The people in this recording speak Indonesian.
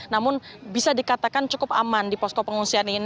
namun bisa dikatakan cukup aman di posko pengungsian ini